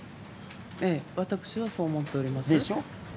ええ、私はそう思っております。